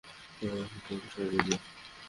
সর পাখির দল, সরে যা।